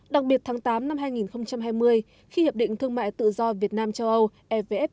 đặc biệt tháng tám năm hai nghìn hai mươi khi hiệp định thương mại tự do việt nam châu âu evfta có hiệu lực